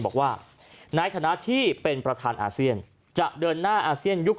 บอกว่าในฐานะที่เป็นประธานอาเซียนจะเดินหน้าอาเซียนยุค